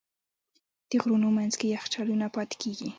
د غرونو منځ کې یخچالونه پاتې کېږي.